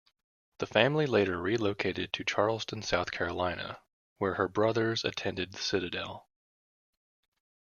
The family later relocated to Charleston, South Carolina, where her brothers attended The Citadel.